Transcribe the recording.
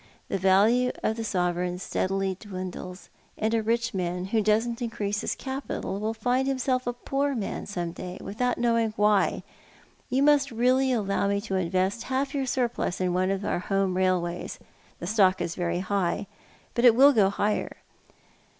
The value of the sovereign steadily dwindles, and a rich man who doesn't increase his capital will find himself a poor man some day, without knowing why. You must really allow me to invest half your surplus in one of our home railways. The stock is very high, but it will go higher."